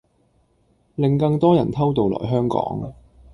令更多人偷渡來香港